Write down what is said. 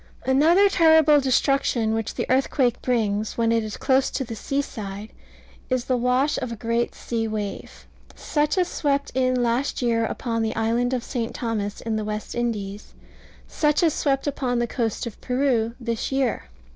Another terrible destruction which the earthquake brings, when it is close to the seaside, is the wash of a great sea wave, such as swept in last year upon the island of St. Thomas, in the West Indies; such as swept in upon the coast of Peru this year.